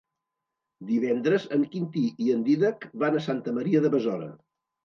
Divendres en Quintí i en Dídac van a Santa Maria de Besora.